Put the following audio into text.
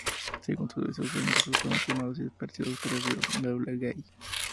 Según su deseo, sus restos fueron cremados y esparcidos por el río Gualeguay.